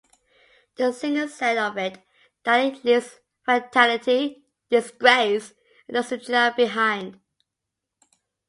The singer said of it that it leaves fatality, disgrace, and nostalgia behind.